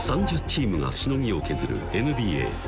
３０チームがしのぎを削るＮＢＡ